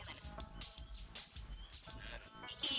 iya malem atau malem tuh ya